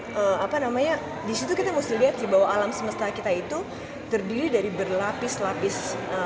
sebenarnya di situ kita mesti lihat sih bahwa alam semesta kita itu terdiri dari berlapis lapis